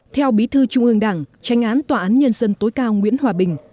theo bí thư trung ương đảng tranh án tòa án nhân dân tối cao nguyễn hòa bình